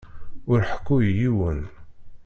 Ur ḥekku i yiwen.